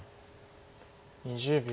２０秒。